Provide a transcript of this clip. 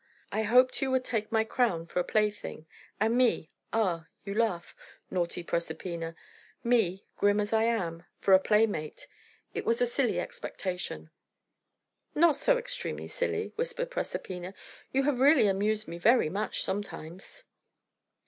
I hoped you would take my crown for a plaything, and me ah, you laugh, naughty Proserpina me, grim as I am, for a playmate. It was a silly expectation." "Not so extremely silly," whispered Proserpina. "You have really amused me very much, sometimes."